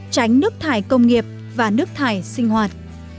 tránh nước thải công nghiệp và nước thải sinh hoạt